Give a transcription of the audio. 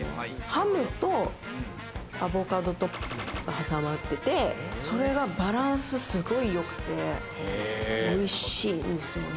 ハムとアボカドと○○が挟まってて、それがバランスすごいよくて、美味しいんですよね。